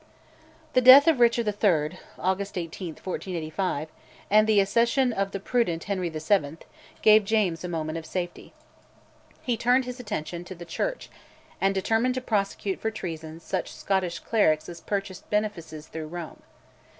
The death of Richard III. (August 18, 1485) and the accession of the prudent Henry VII. gave James a moment of safety. He turned his attention to the Church, and determined to prosecute for treason such Scottish clerics as purchased benefices through Rome.